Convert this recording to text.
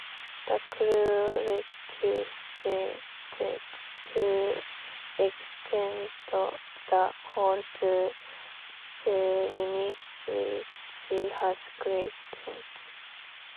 The crew requested to extend the hold to two minutes which was granted.